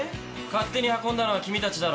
勝手に運んだのは君たちだろう。